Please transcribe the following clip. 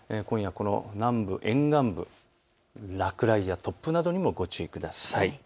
南部沿岸部、落雷や突風などにもご注意ください。